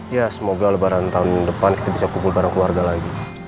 ya semoga lebaran tahun depan kita bisa kumpul bareng keluarga lagi